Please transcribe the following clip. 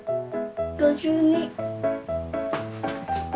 ５２。